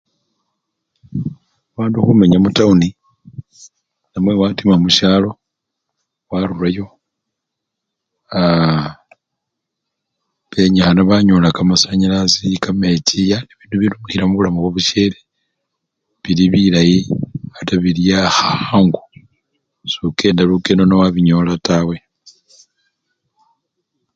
Bandu khumenya mutawuni namwe watima musyalo, warurayo aa! benyikhana banyola kamechi kamasanyalasi yani bibindu byebarumikhila mubulamu bwabusyele bili bilayi ate bili akhangu, sokenda lukendo niowabinyola tawe.